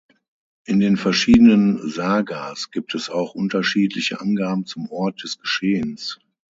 In den verschiedenen Sagas gibt es auch unterschiedliche Angaben zum Ort des Geschehens.